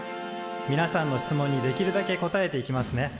みなさんの質問にできるだけ答えていきますね。